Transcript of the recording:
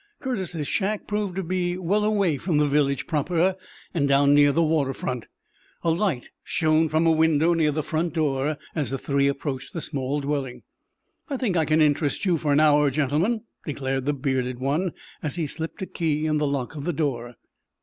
Curtis's shack proved to be well away from the village proper, and down near the waterfront. A light shone from a window near the front door as the three approached the small dwelling. "I think I can interest you for an hour, gentlemen," declared the bearded one, as he slipped a key in the lock of the door.